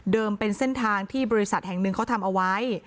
เป็นเส้นทางที่บริษัทแห่งหนึ่งเขาทำเอาไว้